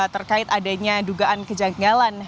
terkait adanya dugaan kejanggalan